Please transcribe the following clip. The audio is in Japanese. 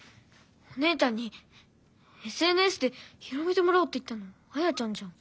お姉ちゃんにＳＮＳで広めてもらおうって言ったのあやちゃんじゃん。